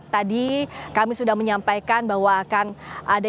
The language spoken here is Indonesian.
tadi kami sudah menyampaikan bahwa akan ada